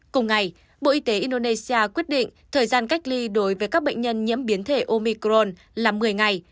cùng ngày bộ y tế indonesia quyết định thời gian cách ly đối với các bệnh nhân nhiễm biến thể omicron là một mươi ngày